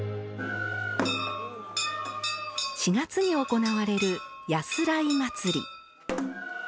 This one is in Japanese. ４月に行われる「やすらい祭」。